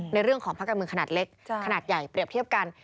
ในเรื่องของพักการเมืองขนาดเล็กขนาดใหญ่เปรียบเทียบกัน